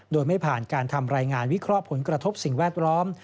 โดยไม่ผ่านการทำรายงานวิเคราะห์ผลกระทบสิ่งแวดล้อม